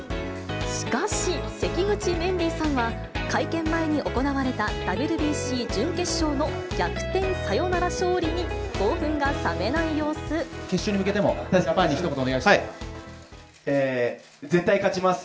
しかし、関口メンディーさんは会見前に行われたＷＢＣ準決勝の逆転サヨナ決勝に向けても、絶対勝ちます。